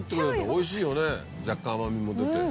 おいしいよね若干甘みも出て。